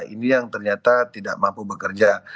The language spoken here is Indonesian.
ini yang ternyata tidak mampu bekerja